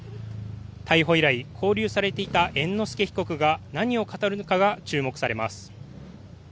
逮捕以来、勾留されていた猿之助被告が何を語るのかが注目されます。